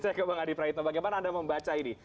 saya ke bang adi praitno bagaimana anda membaca ini